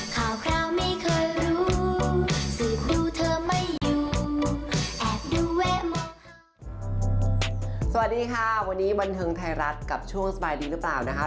สวัสดีค่ะวันนี้บันเทิงไทยรัฐกับช่วงสบายดีหรือเปล่านะคะ